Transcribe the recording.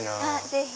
ぜひ。